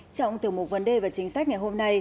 trong tiểu mục vấn đề và chính sách ngày hôm nay